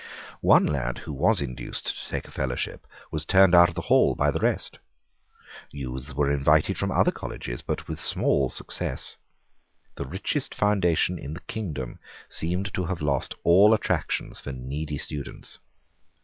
One lad who was induced to take a fellowship was turned out of the hall by the rest. Youths were invited from other colleges, but with small success. The richest foundation in the kingdom seemed to have lost all attractions for needy students.